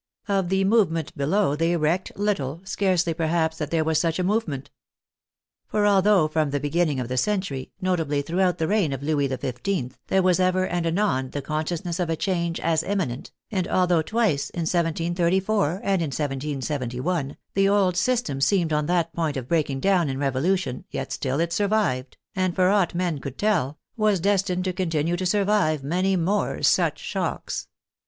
Of the movement below they recked little, scarcely perhaps that there was such a movement. For although from the beginning of the century, notably throughout the reign of Louis XV.. there was ever and anon the consciousness of a change as imminent, and although twice, in 1734 and in 1771, the old system seemed on the point of breaking down in revo lution, yet still it survived, and for aught men could tell, was destined to continue to survive many more such shocks.